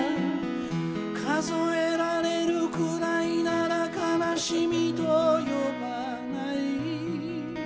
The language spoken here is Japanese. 「数えられるくらいなら悲しみと呼ばない」